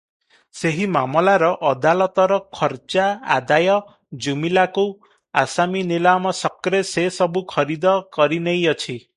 ସେହି ମାମଲାର ଅଦାଲତର ଖର୍ଚ୍ଚା ଆଦାୟ ଜୁମିଲାକୁ ଆସାମୀ ନିଲାମ ସକ୍ରେ ସେ ସବୁ ଖରିଦ କରିନେଇଅଛି ।